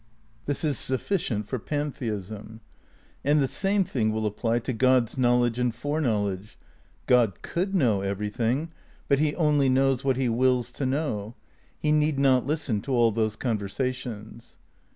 This is sufficient for pantheism. And the same thing will apply to God's knowledge and foreknowledge. God could know everything; but he only knows what he wills to know. He need not listen to all those conversations.